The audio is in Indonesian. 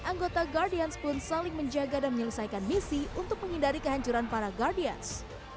anggota guardians pun saling menjaga dan menyelesaikan misi untuk menghindari kehancuran para guardians